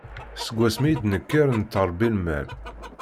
Seg wasmi i d-nekker, nettṛebbi lmal.